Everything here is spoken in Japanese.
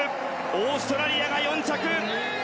オーストラリアが４着。